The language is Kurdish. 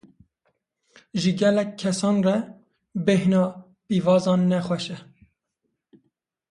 Ji gelek kesan re, bêhna pîvazan ne xweş e.